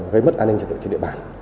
gây mất an ninh trật tự trên địa bàn